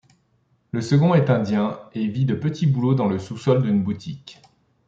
Le second est indien et vit de petits boulots dans le sous-sol d'une boutique.